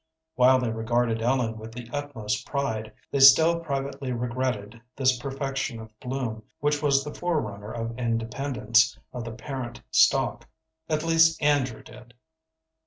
While they regarded Ellen with the utmost pride, they still privately regretted this perfection of bloom which was the forerunner of independence of the parent stalk at least, Andrew did.